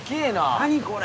何これ？